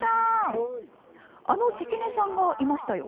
あの関根さんがいましたよ。